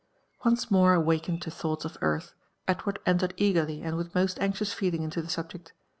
Once more awakened to thoughts of earth, Edward entered eagerly and witli most anxious feeling into the subject.